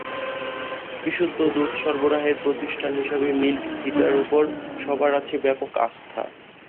বিশুদ্ধ দুধ সরবরাহের প্রতিষ্ঠান হিসেবে মিল্ক ভিটার ওপর সবার আছে ব্যাপক আস্থা।